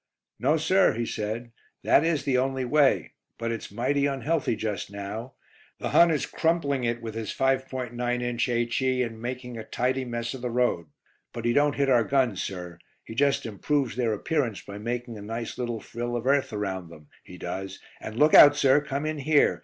"No, sir," he said, "that is the only way; but it's mighty unhealthy just now. The Hun is crumpling it with his 5.9 inch H.E., and making a tidy mess of the road. But he don't hit our guns, sir. He just improves their appearance by making a nice little frill of earth around them, he does, and look out, sir; come in here.